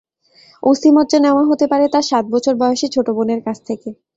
অস্থিমজ্জা নেওয়া হতে পারে তাঁর সাত বছর বয়সী ছোট বোনের কাছ থেকে।